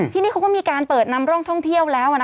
ที่นี่เขาก็มีการเปิดนำร่องท่องเที่ยวแล้ว